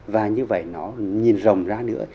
và như vậy nó nhìn rồng ra nữa